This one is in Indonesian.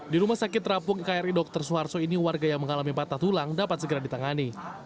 di rumah sakit terapung kri dr suharto ini warga yang mengalami patah tulang dapat segera ditangani